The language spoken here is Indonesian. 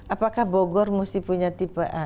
apakah bogor mesti punya tipe a